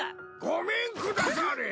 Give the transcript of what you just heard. ・ごめんくだされ。